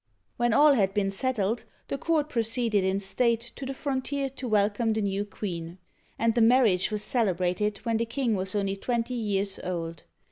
When all had been settled, the court proceeded in state to the frontier to welcome the new queen, and the mar riage was celebrated when the king was only twenty years old.